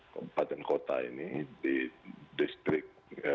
kabupaten kota ini di distrik